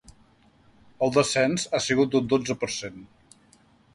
El descens ha sigut d’un dotze per cent.